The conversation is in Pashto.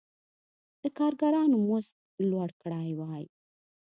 د کارګرانو مزد لوړ کړی وای.